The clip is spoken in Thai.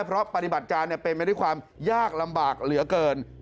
เพราะปฏิบัติการเป็นไปด้วยความยากลำบากเหลือเกิน